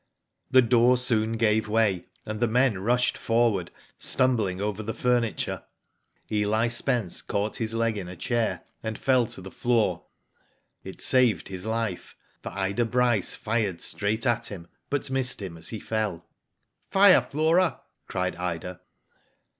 The door soon gave way, and the men rushed forward, stumbling over the furniture. Eli Spence caught his leg in a chair, and fell to the floor. It saved his life ; for Ida Bryce fired straight at him, but missed him as he fell. "Fire, Flora!" cried Ida.